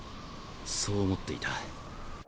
そう思っていた。